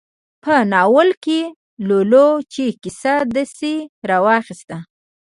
په ناول کې لولو چې کیسه داسې راواخیسته.